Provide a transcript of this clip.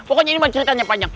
pokoknya ini ceritanya panjang